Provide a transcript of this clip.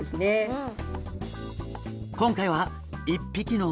うん。